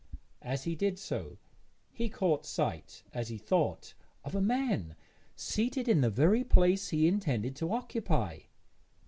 As he did so he caught sight, as he thought, of a man seated in the very place he intended to occupy.